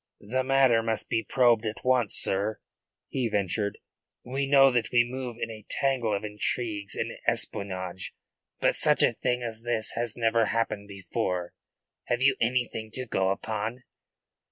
"The matter must be probed at once, sir," he ventured. "We know that we move in a tangle of intrigues and espionage. But such a thing as this has never happened before. Have you anything to go upon?"